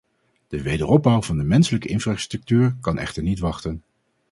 De wederopbouw van de menselijke infrastructuur kan echter niet wachten.